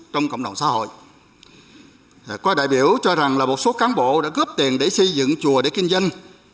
trong cộng đồng xã hội qua đại biểu cho rằng là một số cán bộ đã góp tiền để xây dựng chùa để kinh doanh